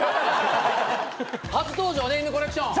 初登場ねイヌコネクション。